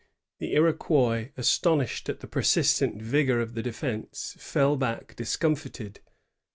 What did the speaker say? The Iroquois, astonished at the per sistent vigor of the defence, fell back discomfited.